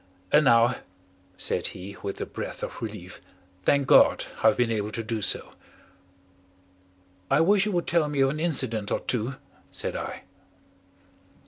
And now," said he with a breath of relief, "thank God, I've been able to do so." "I wish you would tell me of an incident or two," said I.